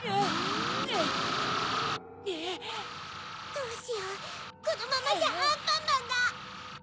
どうしようこのままじゃアンパンマンが。